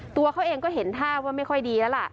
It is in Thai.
ตัวเขาเองก็เห็นท่าว่าไม่ค่อยดีแล้วล่ะ